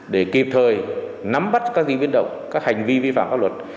để kịp thời nắm bắt các di biến động các hành vi vi phạm pháp luật